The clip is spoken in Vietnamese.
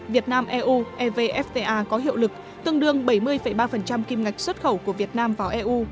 việt nam eu evfta có hiệu lực tương đương bảy mươi ba kim ngạch xuất khẩu của việt nam vào eu